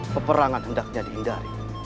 peperangan hendaknya dihindari